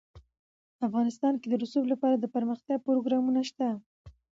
افغانستان کې د رسوب لپاره دپرمختیا پروګرامونه شته.